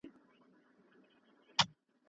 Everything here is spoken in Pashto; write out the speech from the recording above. اسلام د علم دين دی.